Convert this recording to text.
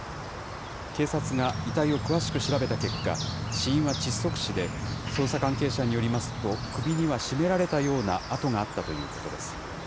警察が遺体を詳しく調べた結果、死因は窒息死で、捜査関係者によりますと、首には絞められたような痕があったということです。